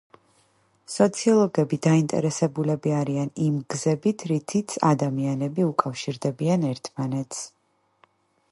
სოციოლოგები დაინტერესებულები არიან იმ გზებით, რითიც ადამიანები უკავშირდებიან ერთმანეთს.